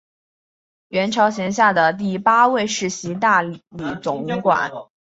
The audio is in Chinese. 元朝辖下的第八位世袭大理总管。